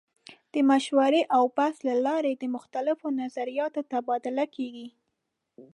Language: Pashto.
د مشورې او بحث له لارې د مختلفو نظریاتو تبادله کیږي.